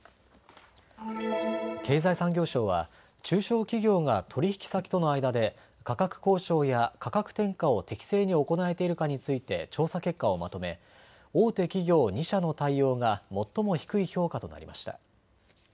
経済産業省は中小企業が取引先との間で価格交渉や価格転嫁を適正に行えているかについて調査結果をまとめ大手企業２社の対応が最も低い評価となりました。